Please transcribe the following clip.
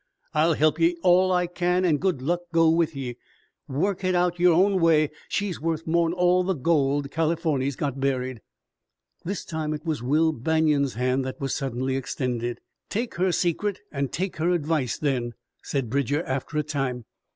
I'll help ye all I can, an' good luck go with ye. Work hit out yore own way. She's worth more'n all the gold Californy's got buried!" This time it was Will Banion's hand that was suddenly extended. "Take her secret an' take her advice then," said Bridger after a time.